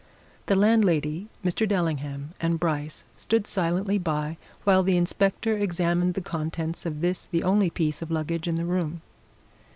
The landlady, Mr. Dellingham and Bryce stood silently by while the inspector examined the contents of this the only piece of luggage in the room.